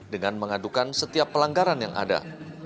dengan mengadukan setiap pelanggaran yang ada